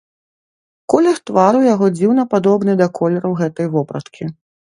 Колер твару яго дзіўна падобны да колеру гэтай вопраткі.